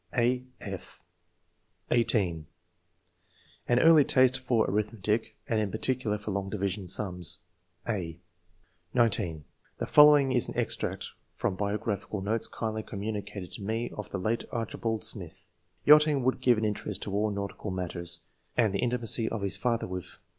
(a,/) (18) "An early taste for arithmetic, and in particular for long division sums.'' (a) III.] ORIGIN OF TASTE FOB SCIENCE. 157 (19) [The following is an extract from bio graphical notes kindly communicated to me of the late Archibald Smith.] "Yachting would give an interest to all nautical matters, and the intimacy of his father with